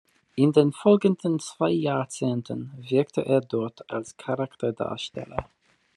In den folgenden zwei Jahrzehnten wirkte er dort als Charakterdarsteller.